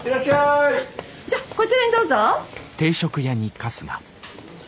じゃこちらにどうぞ！